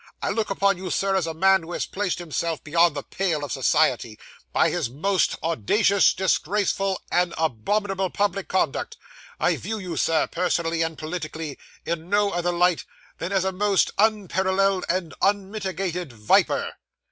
I look upon you, sir, as a man who has placed himself beyond the pale of society, by his most audacious, disgraceful, and abominable public conduct. I view you, sir, personally and politically, in no other light than as a most unparalleled and unmitigated viper.